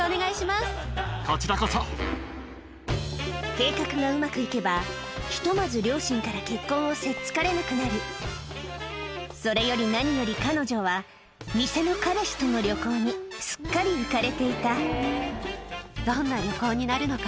計画がうまくいけばひとまず両親から結婚をせっつかれなくなるそれより何より彼女は偽の彼氏との旅行にすっかり浮かれていた